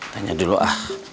tanya dulu ah